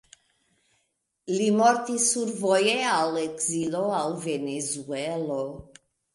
Li mortis survoje al ekzilo al Venezuelo.